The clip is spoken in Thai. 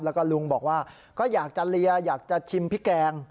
แล้วก็ลุงบอกว่าก็อยากจะเลียอยากจะชิมพริกแกง